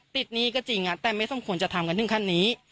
ติดเกินไปอ่ะแต่ไม่สมควรจะทำกันทั้งคันนี้